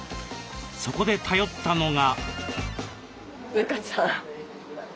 そこで頼ったのが。